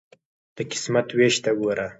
د قسمت ویش ته ګوره.